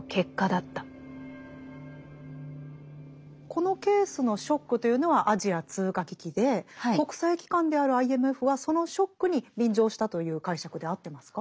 このケースのショックというのはアジア通貨危機で国際機関であるＩＭＦはそのショックに便乗したという解釈で合ってますか？